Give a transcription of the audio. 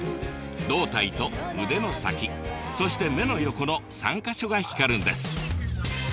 胴体と腕の先そして目の横の３か所が光るんです。